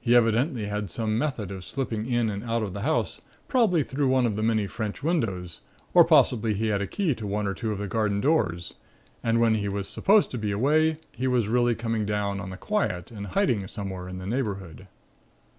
He evidently had some method of slipping in and out of the house, probably through one of the many French windows, or possibly he had a key to one or two of the garden doors, and when he was supposed to be away, he was really coming down on the quiet and hiding somewhere in the neighborhood.